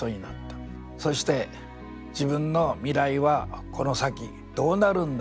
そして自分の未来はこの先どうなるんだろう